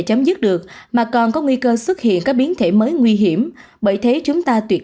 chấm dứt được mà còn có nguy cơ xuất hiện các biến thể mới nguy hiểm bởi thế chúng ta tuyệt